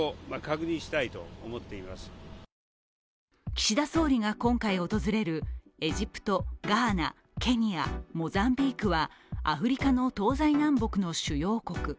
岸田総理が今回訪れるエジプト、ガーナ、ケニア、モザンビークはアフリカの東西南北の主要国。